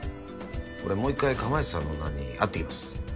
俺もう一回釜石さんの女に会ってきます。